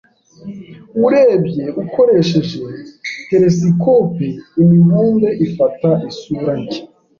Urebye ukoresheje telesikope, imibumbe ifata isura nshya.